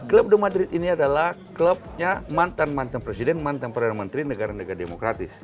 klub domadrid ini adalah klubnya mantan mantan presiden mantan perdana menteri negara negara demokratis